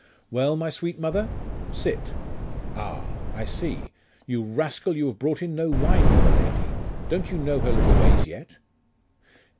'Well my sweet mother? Sit: Ah? I see! You rascal, you have brought in no wine for the lady. Don't you know her little ways yet?